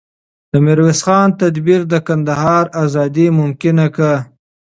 د میرویس خان تدبیر د کندهار ازادي ممکنه کړه.